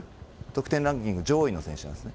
得点ランキング上位の選手です。